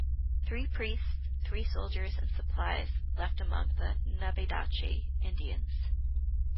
Three priests, three soldiers and supplies left among the Nabedache Indians.